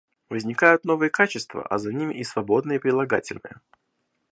Возникают новые качества, а за ними и свободные прилагательные.